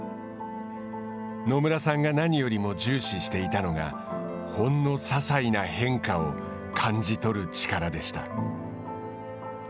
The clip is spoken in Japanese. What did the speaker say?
野村さんが何よりも重視していたのがほんのささいな変化を感じ取る力でした。